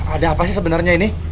ada apa sih sebenarnya ini